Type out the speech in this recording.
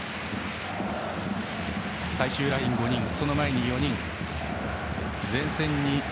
最終ライン、５人その前に４人前線に１人。